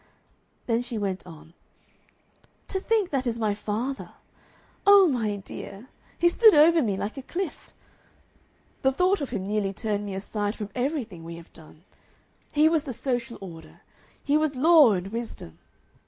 Then she went on: "To think that is my father! Oh, my dear! He stood over me like a cliff; the thought of him nearly turned me aside from everything we have done. He was the social order; he was law and wisdom.